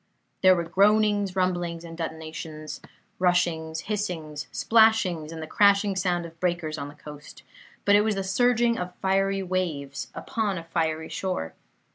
There were groanings, rumblings, and detonations; rushings, hissings, splashings, and the crashing sound of breakers on the coast; but it was the surging of fiery waves upon a fiery shore.